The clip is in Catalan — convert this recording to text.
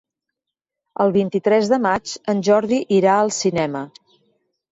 El vint-i-tres de maig en Jordi irà al cinema.